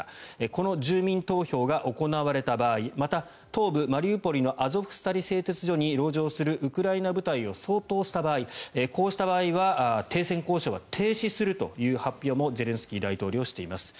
この住民投票が行われた場合また、東部マリウポリのアゾフスタリ製鉄所にろう城するウクライナ部隊を掃討した場合こうした場合は停戦交渉は停止するという発表もゼレンスキー大統領しています。